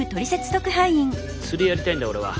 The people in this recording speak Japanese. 釣りやりたいんだ俺は。